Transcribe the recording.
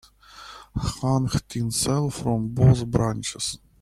Hang tinsel from both branches.